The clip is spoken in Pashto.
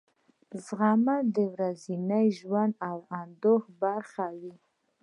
زغم د ورځني ژوند او اند برخه وي.